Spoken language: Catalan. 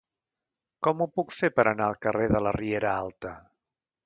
Com ho puc fer per anar al carrer de la Riera Alta?